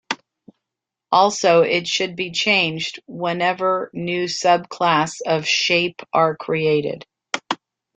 Also, it should be changed whenever new subclass of Shape are created.